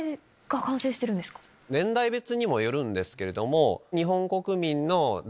年代別にもよるんですけれども。